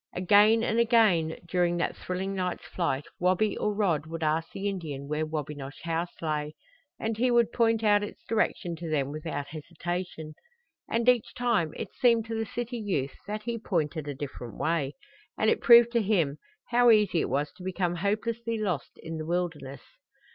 Again and again during that thrilling night's flight Wabi or Rod would ask the Indian where Wabinosh House lay, and he would point out its direction to them without hesitation. And each time it seemed to the city youth that he pointed a different way, and it proved to him how easy it was to become hopelessly lost in the wilderness.